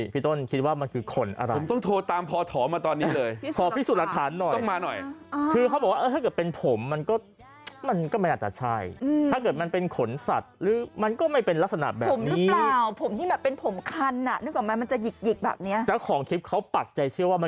เพื่อบอกจริงหรือเปล่าจริงหรือเปล่าไม่ได้เล่าเล่นกันใช่มะ